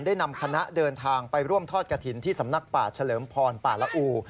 ได้นำคณะเดินทางไปร่วมทอดกระถิ่นที่สำนักป่าเฉลิมพรป่าละอู